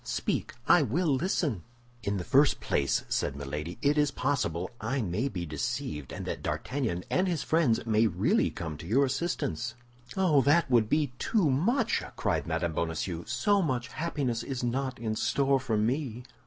Speak; I will listen." "In the first place," said Milady, "it is possible I may be deceived, and that D'Artagnan and his friends may really come to your assistance." "Oh, that would be too much!" cried Mme. Bonacieux, "so much happiness is not in store for me!"